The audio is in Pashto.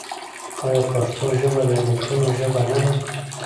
آیا پښتو زموږ د نیکونو ژبه نه ده؟